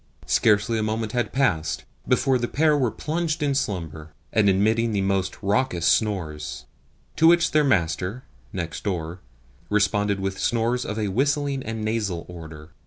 Scarcely a moment had passed before the pair were plunged in slumber and emitting the most raucous snores; to which their master (next door) responded with snores of a whistling and nasal order.